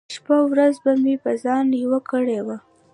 شپه ورځ به مې په ځان يوه کړې وه .